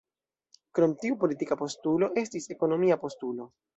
Krom tiu politika postulo, estis ekonomia postulo.